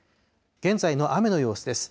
現在の雨の様子です。